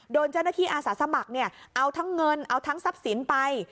โดนเจ้าหน้าที่อาสาสมัครเอาทั้งเงินเอาทั้งทรัพย์สินไป